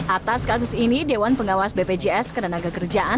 atas kasus ini dewan pengawas bpjs ketenaga kerjaan